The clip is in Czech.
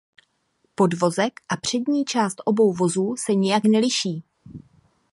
Podvozek a přední část obou vozů se nijak neliší.